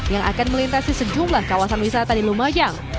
yang akan melintasi sejumlah kawasan wisata di lumajang